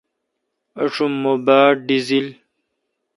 آشم مہ باڑ ڈزیل۔